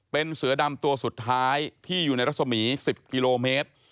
เป็นเสือดำตัวสุดท้ายที่อยู่ในรัศมี๑๐กิโลเมตร